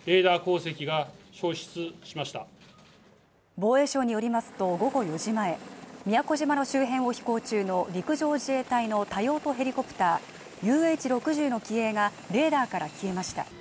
防衛省によりますと午後４時前、宮古島の周辺を飛行中の陸上自衛隊の多用途ヘリコプターＵＨ６０の機影がレーダーから消えました。